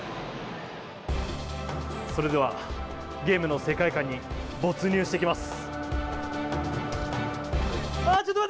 それではゲームの世界観に没入してきます。